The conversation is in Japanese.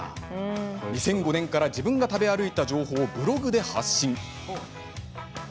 ２００５年から自分が食べ歩いた情報をブログで発信。